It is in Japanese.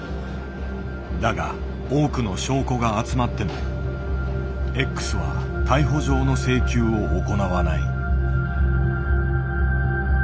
だが多くの証拠が集まってもＸは逮捕状の請求を行わない。